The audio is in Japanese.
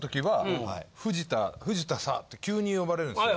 「藤田さ」って急に呼ばれるんですよ。